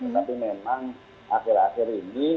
tetapi memang akhir akhir ini